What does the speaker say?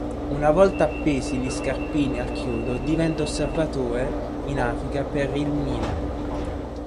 Una volta appesi gli scarpini al chiodo diventa osservatore in Africa per Il Milan.